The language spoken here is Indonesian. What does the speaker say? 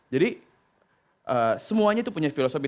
jadi semuanya itu punya filosofi